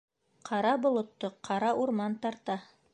Ҡара болотто ҡара урман тарта.